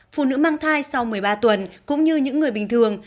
phụ nữ mang thai sau một mươi ba tuần cũng như những người bình thường